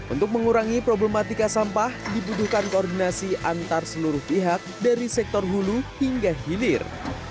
untuk mengurangi problematika sampah dibutuhkan koordinasi antar seluruh pihak dari sektor hulu hingga hilir